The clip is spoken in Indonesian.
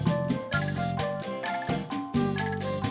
terhadap penjara paraolis